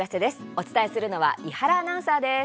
お伝えするのは伊原アナウンサーです。